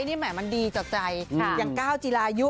นี่แหมดีจบใจค่ะยังก้าวจีลายุ